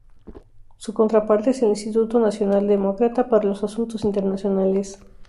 Su contraparte es el Instituto Nacional Demócrata para los Asuntos Internacionales.